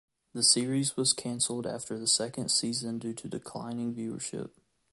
The series was cancelled after the second season due to declining viewership.